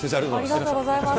ありがとうございます。